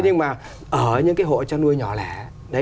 nhưng mà ở những hộ chân nuôi nhỏ lẻ